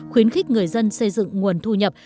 khuyến khích người dân xây dựng nguồn thu nhập